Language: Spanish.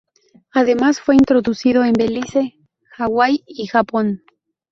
Además, fue introducido en Belice, Hawái y Japón.